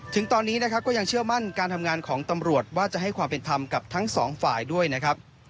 ถึงตอนนี้นะครับก็ยังเชื่อมั่นการทำงานของตำรวจว่าจะให้ความเป็นธรรมกับทั้งสองฝ่ายด้วยนะครับ